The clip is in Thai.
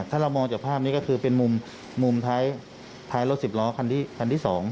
ถ้าเรามองจากภาพนี้ก็คือเป็นมุมท้ายรถสิบล้อคันที่๒